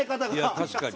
確かに。